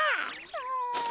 うん。